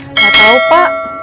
tidak tahu pak